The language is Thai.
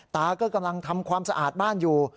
ตาก็กำลังทำความสะอาดบ้านอยู่